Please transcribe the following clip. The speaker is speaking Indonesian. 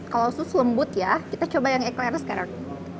kalau sus lembut kita coba ikhlaqnya sekarang